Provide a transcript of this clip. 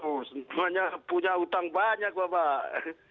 cuman punya hutang banyak bapak